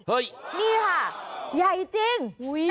ใหญ่จริง